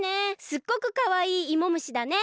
すっごくかわいいいもむしだね。